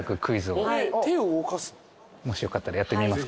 もしよかったらやってみますか？